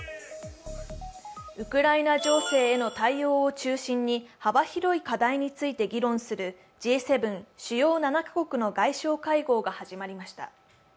ウクライナ情勢への対応を中心に幅広い課題について議論するＧ７＝主要７カ国の外相会合が始まりました。